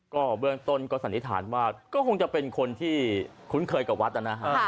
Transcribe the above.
ก็เบื้องต้นก็สันนิษฐานว่าก็คงจะเป็นคนที่คุ้นเคยกับวัดนะฮะ